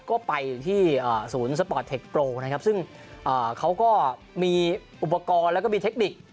ก็ไปที่ศูนย์สปอร์ตเทคโปร์นะครับซึ่งเขาก็มีอุปกรณ์แล้วก็มีเทคนิค